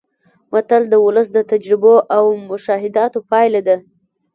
متل د ولس د تجربو او مشاهداتو پایله ده